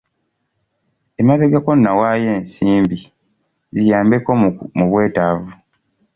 Emabegako nawaayo ensimbi ziyambeko mu bwetaavu.